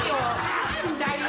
あんだよ。